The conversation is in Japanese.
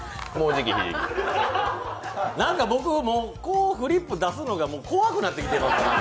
なんか僕、フリップ出すのが怖くなってきてます。